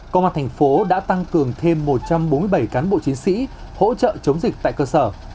công an thành phố đã tăng cường thêm một trăm bốn mươi bảy cán bộ chiến sĩ hỗ trợ chống dịch tại cơ sở